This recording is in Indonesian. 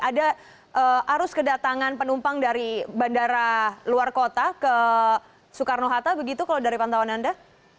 ada arus kedatangan penumpang dari bandara luar kota ke soekarno hatta begitu kalau dari pantauan anda